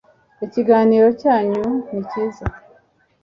ikiganiro cyanyu nikiza